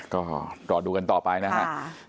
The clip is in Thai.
ก็ต่อดูกันต่อไปนะคะ